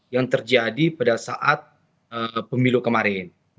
yang terjadi pada saat pemilu kemarin